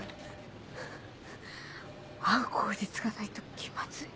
会う口実がないと気まずい。